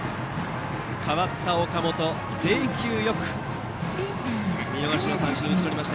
代わった岡本、制球よく見逃しの三振に打ち取りました。